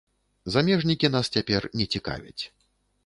Замежнікі нас цяпер не цікавяць.